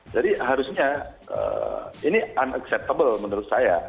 jadi harusnya ini unacceptable menurut saya